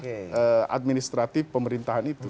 dan administratif pemerintahan itu